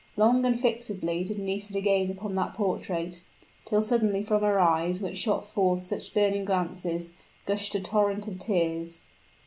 Long and fixedly did Nisida gaze upon that portrait; till suddenly from her eyes, which shot forth such burning glances, gushed a torrent of tears.